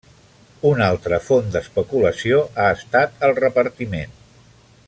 Una altra font d'especulació ha estat el repartiment.